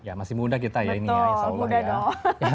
ya masih muda kita ya insya allah